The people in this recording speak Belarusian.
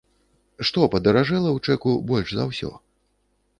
Што падаражэла ў чэку больш за ўсё?